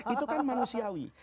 itu kan manusiawi